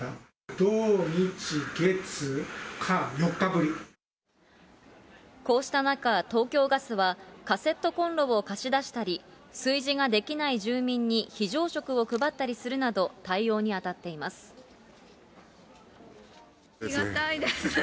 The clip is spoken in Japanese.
土、日、こうした中、東京ガスはカセットコンロを貸し出したり、炊事ができない住民に非常食を配ったりするなど、対応に当たってありがたいです。